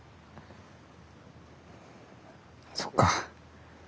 そっか。